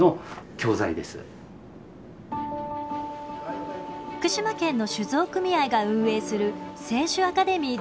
福島県の酒造組合が運営する清酒アカデミーです。